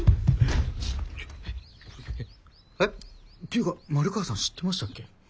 ていうか丸川さん知ってましたっけ？